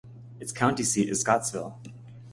Its county seat is Scottsville.